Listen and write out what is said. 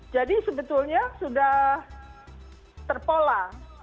jadi sebetulnya sudah terpola